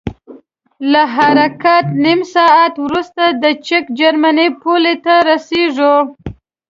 له حرکت نه نیم ساعت وروسته د چک جرمني پولې ته رسیږو.